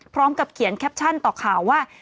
พร้อมกับเขียนแคปชั่นต่อข่าวว่า